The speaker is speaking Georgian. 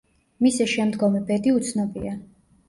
მისი შემდგომი ბედი უცნობია.